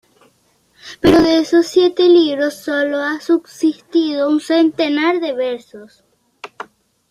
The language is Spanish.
Pero de esos siete libros solo ha subsistido un centenar de versos.